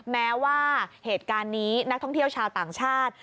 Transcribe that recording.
แม้ว่าเหตุการณ์นี้นักท่องเที่ยวชาวต่างชาติ